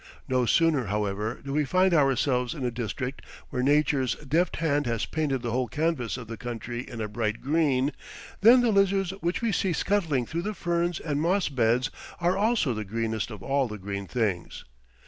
No sooner, however, do we find ourselves in a district where nature's deft hand has painted the whole canvas of the country a bright green, than the lizards which we see scuttling through the ferns and moss beds are also the greenest of all the green things.